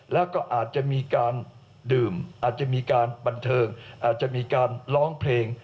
แล้วก็อาจจะมีการดื่มอาจจะมีการบันเทิงอาจจะมีการร้องเพลง